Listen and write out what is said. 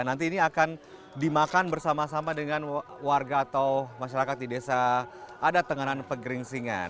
nanti ini akan dimakan bersama sama dengan warga atau masyarakat di desa ada tenganan pegeringsingan